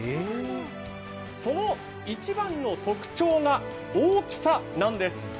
その一番の特徴が大きさなんです。